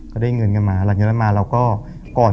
ก็ได้เงินกันมาหลังจากนั้นมาเราก็ก่อน